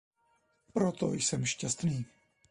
Proto jsem šťastný.